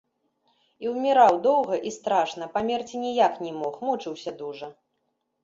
І ўміраў доўга і страшна, памерці ніяк не мог, мучыўся дужа.